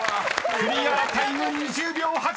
［クリアタイム２０秒８！］